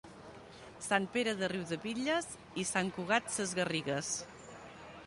Sant Pere de Riudebitlles i Sant Cugat Sesgarrigues.